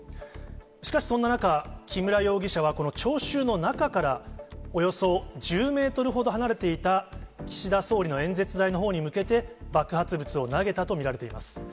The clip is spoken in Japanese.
しかしそんな中、木村容疑者はこの聴衆の中から、およそ１０メートルほど離れていた岸田総理の演説台のほうに向けて、爆発物を投げたと見られています。